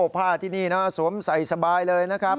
ผ้าที่นี่นะสวมใส่สบายเลยนะครับ